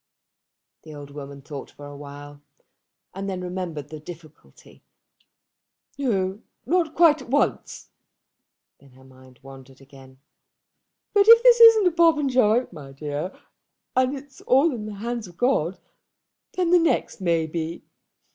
The old woman thought for a while, and then remembered the difficulty. "No, not quite at once." Then her mind wandered again. "But if this isn't a Popenjoy, my dear, and it's all in the hands of God, then the next may be.